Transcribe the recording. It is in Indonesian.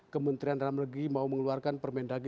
kementerian dalam negeri mau mengeluarkan permendagri